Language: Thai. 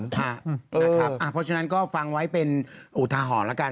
เพราะฉะนั้นก็ฟังไว้เป็นอุทาหรณ์แล้วกัน